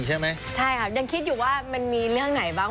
ใช่ค่ะยังคิดอยู่ว่ามันมีเรื่องไหนบ้าง